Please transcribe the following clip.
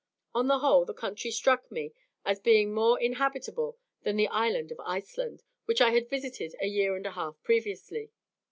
On the whole, the country struck me as being much more inhabitable than the Island of Iceland, which I had visited a year and a half previously.